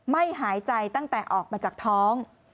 ไม่หายใจตั้งแต่ออกมาจากท้อง